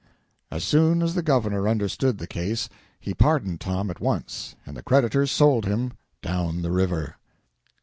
As soon as the Governor understood the case, he pardoned Tom at once, and the creditors sold him down the river.